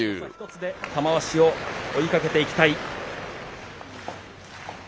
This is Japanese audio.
１つで玉鷲を追いかけていきたい。